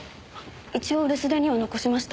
一応留守電には残しました。